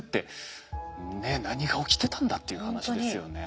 ねっ何が起きてたんだっていう話ですよね。